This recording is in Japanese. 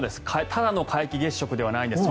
ただの皆既月食ではないんです。